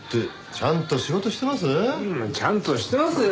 ちゃんとしてますよ。